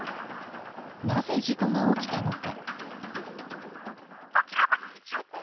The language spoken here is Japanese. なぜ、事故が起きたのか。